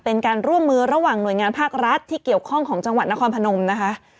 เป็นการร่วมมือระหว่างหน่วยงานภาครัฐที่เกี่ยวข้องของจังหวัดนครพนมนะคะ